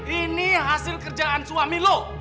ini hasil kerjaan suami lo